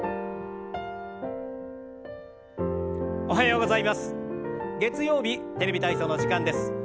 おはようございます。